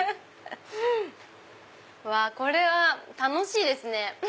これは楽しいですね。